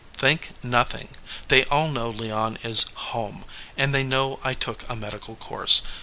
"Think, nothing. They all know Leon is home, and they know I took a medical course.